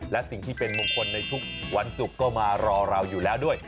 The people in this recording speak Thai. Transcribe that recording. และสิ่งที่เป็นมงคลในทุกวันศุกร์ก็มารอเราอยู่แล้วด้วย